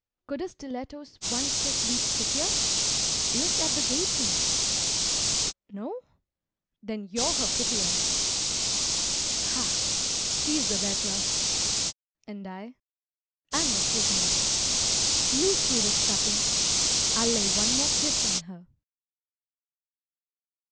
Could a stiletto's one prick be prettier? Look at the gaping. No? then you're her pitier! Pah! she's the better, and I ... I'm your prisoner. Loose me the strapping I'll lay one more kiss on her.